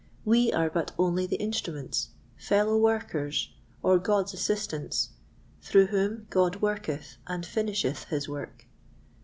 we are but only the instruments, fellow workers, or God's assistants, through whom God worketh and finisheth his work.